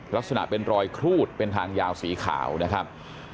ลักษณะเป็นรอยครูดเป็นทางยาวสีขาวนะครับ